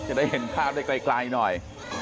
จะได้เห็นภาพได้ไกลหน่อย